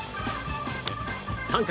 ３回。